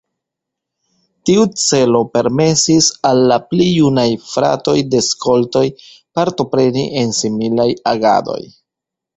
Tiu celo permesis al la pli junaj fratoj de skoltoj partopreni en similaj agadoj.